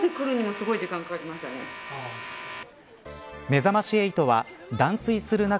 めざまし８は断水する中